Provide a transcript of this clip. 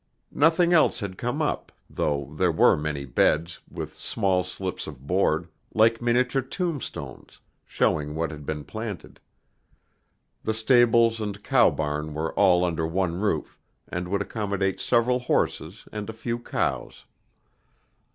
Nothing else had come up, though there were many beds, with small slips of board, like miniature tombstones, showing what had been planted. The stables and cow barn were all under one roof, and would accommodate several horses and a few cows.